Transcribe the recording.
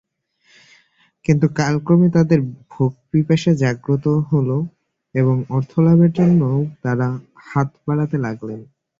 কিন্তু কালক্রমে তাঁদের ভোগ-পিপাসা জাগ্রত হল এবং অর্থলাভের জন্যও তাঁরা হাত বাড়াতে লাগলেন।